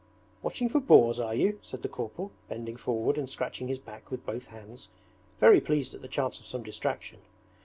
'Watching for boars, are you?' said the corporal, bending forward and scratching his back with both hands, very pleased at the chance of some distraction.